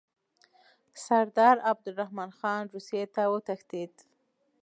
سردار عبدالرحمن خان روسیې ته وتښتېد.